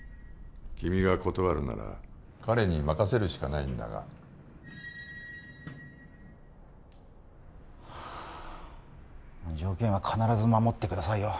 君が断るなら彼に任せるしかないんだがはあ条件は必ず守ってくださいよ